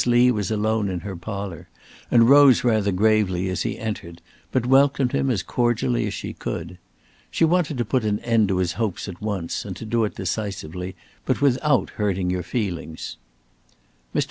Lee was alone in her parlour and rose rather gravely as he entered, but welcomed him as cordially as she could. She wanted to put an end to his hopes at once and to do it decisively, but without hurting his feelings. "Mr.